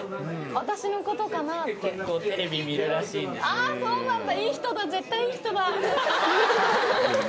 あっそうなんだ。